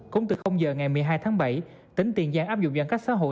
cũng từ giờ ngày một mươi hai tháng bảy tỉnh tiền giang áp dụng giãn cách xã hội